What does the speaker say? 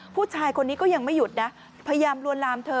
ผู้ชายคนนี้ก็ยังไม่หยุดนะพยายามลวนลามเธอ